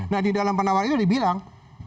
nah di dalam penawaran itu dibilang